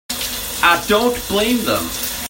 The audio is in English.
I don't blame them.